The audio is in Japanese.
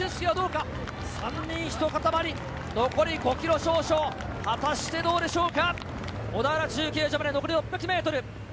恭はどうか、３人ひと塊、残り５ｋｍ少々、果たしてどうでしょうか？